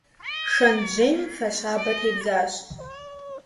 Шэнт жьейм фэ щабэ тебзащ.